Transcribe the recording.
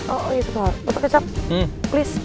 oh iya satu hal bapak kecap please